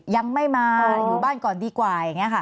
ยังไม่มาอยู่บ้านก่อนดีกว่าอย่างนี้ค่ะ